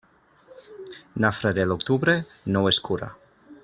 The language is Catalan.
Nafra de l'octubre no es cura.